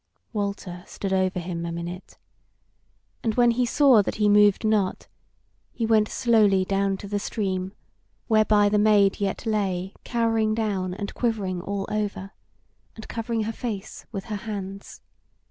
Walter stood over him a minute, and when be saw that he moved not, he went slowly down to the stream, whereby the Maid yet lay cowering down and quivering all over, and covering her face with her hands.